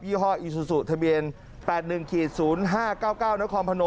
ยี่ห้ออิซูสุทะเบียน๘๑๐๕๙๙นพ